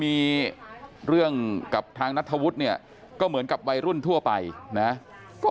มีเรื่องกับทางนัทธวุฒิเนี่ยก็เหมือนกับวัยรุ่นทั่วไปนะก็